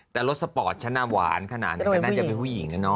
แต่รถสปอร์ตฉันหวานขนาดนี้ก็น่าจะเป็นผู้หญิง